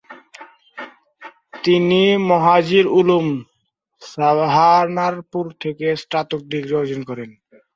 তিনি মাজাহির উলুম, সাহারানপুর থেকে স্নাতক ডিগ্রি অর্জন করেছেন।